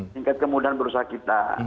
singkat kemudahan berusaha kita